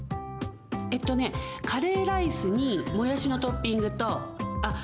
えっとねカレーライスにもやしのトッピングとあっ